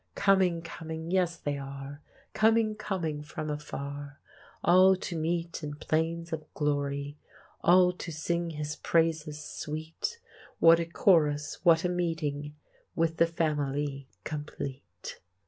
Coming, coming, yes, they are, Coming, coming, from afar: All to meet in plains of glory, All to sing His praises sweet: What a chorus, what a meeting, With the family complete!